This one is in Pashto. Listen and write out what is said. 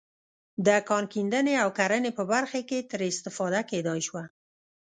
د کان کیندنې او کرنې په برخه کې ترې استفاده کېدای شوه.